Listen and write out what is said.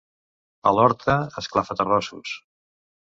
A l'Horta, esclafaterrossos.